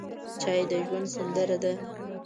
چای د ژوند سندره ده.